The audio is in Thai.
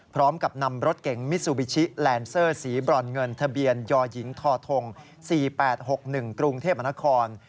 พร้อมกับนำรถเก๋งมิซูบิชิแลนเซอร์สีบรอนเงินทะเบียนยหญิงทท๔๘๖๑กรุงเทพมนคร